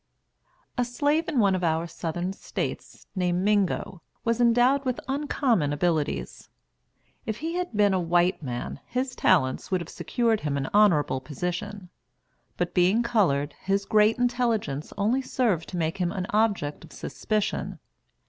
A slave in one of our Southern States, named Mingo, was endowed with uncommon abilities. If he had been a white man, his talents would have secured him an honorable position; but being colored, his great intelligence only served to make him an object of suspicion.